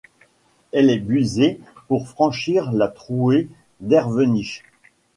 Elle est busée pour franchir la trouée d’Ervěnice.